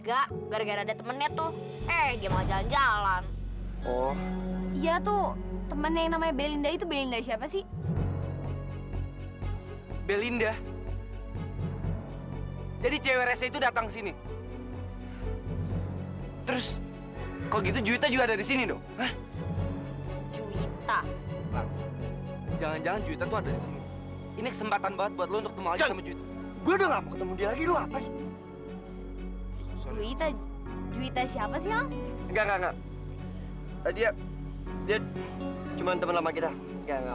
av rapidement starsymitres unprecedented hati masyarakat hanya perlukan kuandangan